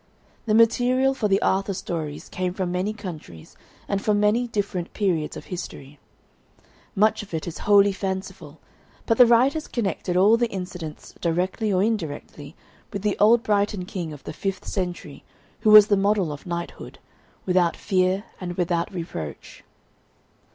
The material for the Arthur stories came from many countries and from many different periods of history. Much of it is wholly fanciful, but the writers connected all the incidents directly or indirectly with the old Briton king of the fifth century, who was the model of knighthood, "without fear and without reproach."